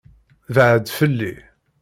Beɛɛed fell-i.